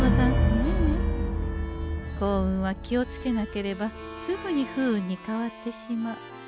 幸運は気をつけなければすぐに不運に変わってしまう。